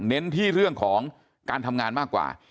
เน้นที่เรื่องของการทำงานมากกว่า